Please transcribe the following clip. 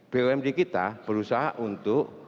bumd kita berusaha untuk